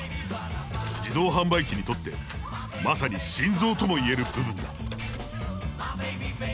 自動販売機にとってまさに心臓ともいえる部分だ。